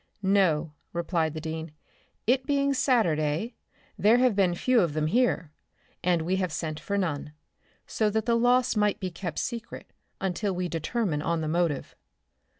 "No," replied the dean; "it being Saturday, there have been few of them here, and we have sent for none, so that the loss might be kept secret until we determine on the motive."